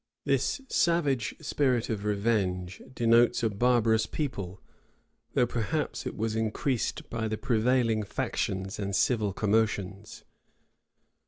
This savage spirit of revenge denotes a barbarous people; though, perhaps, it was increased by the prevailing factions and civil commotions.